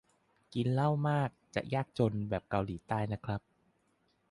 กินเหล้ามาก จะยากจนแบบเกาหลีใต้นะครับ